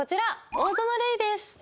大園玲です。